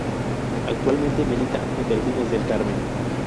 Actualmente milita en Delfines del Carmen.